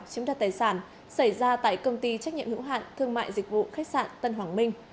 chiếm đặt tài sản xảy ra tại công ty trách nhiệm hữu hạn thương mại dịch vụ khách sạn tân hoàng minh